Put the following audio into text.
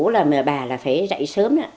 mà bà là phải dậy sớm